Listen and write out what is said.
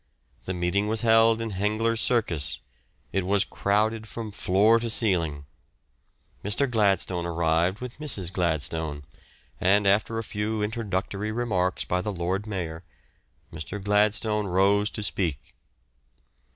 The meeting was held in Hengler's Circus. It was crowded from floor to ceiling. Mr. Gladstone arrived with Mrs. Gladstone, and after a few introductory remarks by the Lord Mayor, Mr. Gladstone rose to speak.